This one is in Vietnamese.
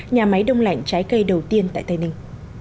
nhà máy đông lạnh trái cây đầu tiên tại tây ninh